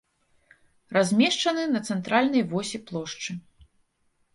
Размешчаны на цэнтральнай восі плошчы.